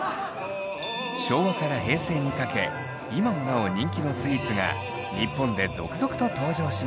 昭和から平成にかけ今もなお人気のスイーツが日本で続々と登場しました。